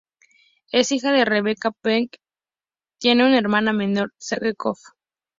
Es hija de Rebecca "Bec" McNamee-Croft, tiene una hermana menor Sage Croft.